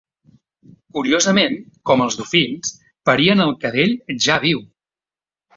Curiosament, com els dofins, parien el cadell ja viu.